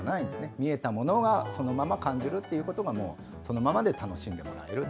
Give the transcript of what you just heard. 見えたものをそのまま感じることがそのままで楽しんでもらえると。